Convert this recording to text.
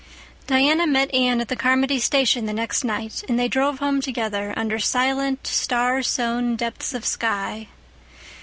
Diana met Anne at the Carmody station the next night, and they drove home together under silent, star sown depths of sky.